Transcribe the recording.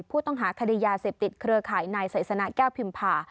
ผู้ต้องหาคดียาเสพติดเครือข่ายนายไซสนะแก้วพิมพา